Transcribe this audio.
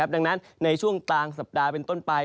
ดังนั้นในช่วงกลางสัปดาห์เป็นต้นไป